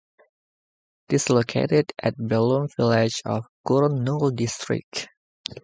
It is located at Belum Village of Kurnool District.